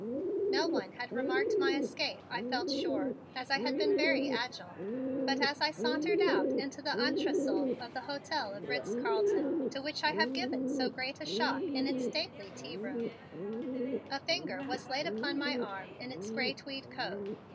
No one had remarked my escape, I felt sure, as I had been very agile, but as I sauntered out into the entresol of the Hotel of Ritz Carlton, to which I had given so great a shock in its stately tea room, a finger was laid upon my arm in its gray tweed coat.